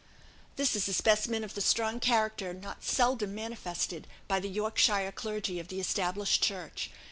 This is a specimen of the strong character not seldom manifested by the Yorkshire clergy of the Established Church.